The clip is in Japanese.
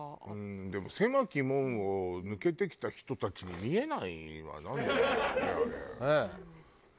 でも狭き門を抜けてきた人たちに見えないのはなんでだろうね。